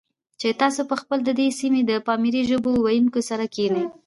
چې تاسې په خپله د دې سیمې د پامیري ژبو ویونکو سره کښېنئ،